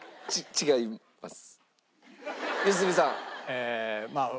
違います。